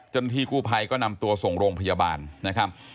ที่กู้ภัยก็นำตัวส่งโรงพยาบาลนะครับ